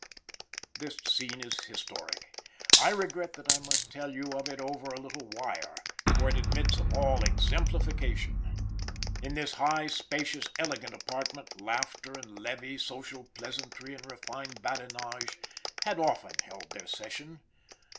This scene is historic. I regret that I must tell you of it over a little wire, for it admits of all exemplification. In this high, spacious, elegant apartment, laughter and levee, social pleasantry and refined badinage, had often held their session.